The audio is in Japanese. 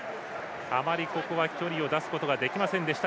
あまりここは距離を出すことができませんでした